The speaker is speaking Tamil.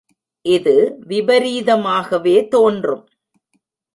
இது விபரீதமாகவே தோன்றும்!